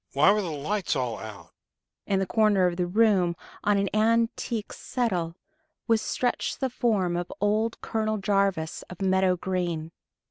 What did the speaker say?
Why were the lights all out?" In the corner of the room, on an antique "settle," was stretched the form of old Colonel Jarvis of Meadow Green.